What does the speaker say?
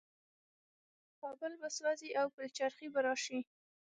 کابل به سوځي او پلچرخي به راشي.